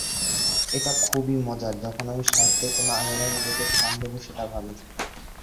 এটা খুবই মজার, যখন আমি সাহিত্যের কোনো আঙিনায় নিজেকে স্থান দেব, সেটা ভাবি।